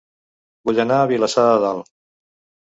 Vull anar a Vilassar de Dalt